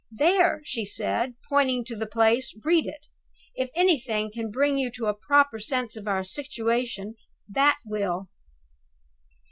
There," she said pointing to the place. "Read it! If anything can bring you to a proper sense of our situation, that will."